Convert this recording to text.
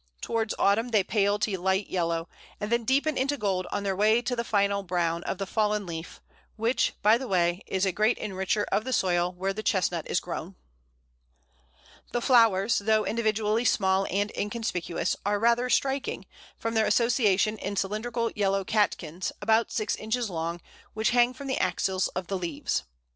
Towards autumn they pale to light yellow, and then deepen into gold on their way to the final brown of the fallen leaf, which, by the way, is a great enricher of the soil where the Chestnut is grown. [Illustration: Sweet Chestnut. A, fruit.] The flowers, though individually small and inconspicuous, are rather striking, from their association in cylindrical yellow catkins, about six inches long, which hang from the axils of the leaves.